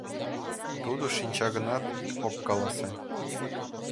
Тудо шинча гынат, ок каласе.